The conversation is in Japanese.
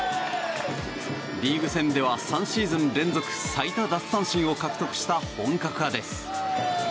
リーグ戦では３シーズン連続最多奪三振を獲得した本格派です。